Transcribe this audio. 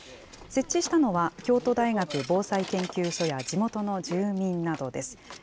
設置したのは、京都大学防災研究所や地元の住民などです。